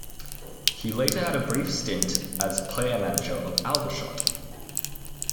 He later had a brief stint as player-manager of Aldershot.